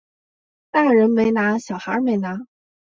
大人没拿小孩没拿